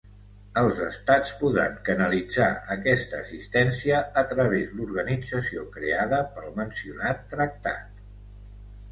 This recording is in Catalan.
Els Estats podran canalitzar aquesta assistència a través l'organització creada pel mencionat tractat.